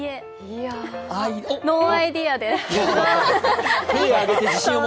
ノーアイデアです。